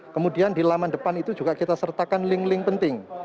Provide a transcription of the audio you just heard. kemudian di laman depan itu juga kita sertakan link link penting